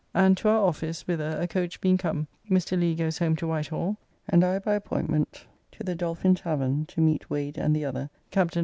And to our office, whither, a coach being come, Mr. Leigh goes home to Whitehall; and I by appointment to the Dolphin Tavern, to meet Wade and the other, Captn.